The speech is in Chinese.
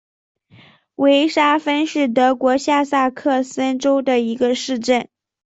维沙芬是德国下萨克森州的一个市镇。